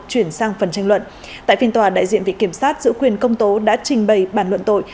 chuyển sang phần tranh luận tại phiên tòa đại diện vị kiểm sát giữ quyền công tố đã trình bày bản luận tội